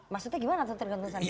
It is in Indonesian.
maksudnya gimana tergantung sandi